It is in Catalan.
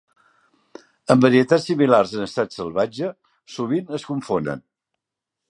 Amb varietats similars en estat salvatge, sovint es confonen.